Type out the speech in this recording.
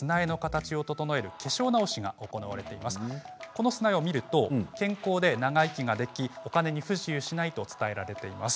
この砂を見ると健康や長生きがでてきてお金に不自由がないと言われています。